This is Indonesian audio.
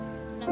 is dan nama